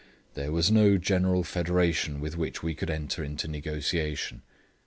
There was no general federation with which we could enter into negotiation.